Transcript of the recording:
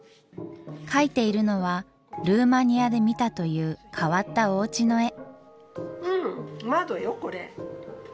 描いているのはルーマニアで見たという変わったおうちの絵。